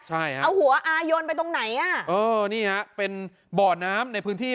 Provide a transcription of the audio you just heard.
ใช่ฮะเอาหัวอายนไปตรงไหนอ่ะเออนี่ฮะเป็นบ่อน้ำในพื้นที่